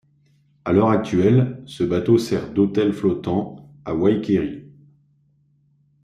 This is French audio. À l'heure actuelle ce bateau sert d'hôtel flottant à Waikerie.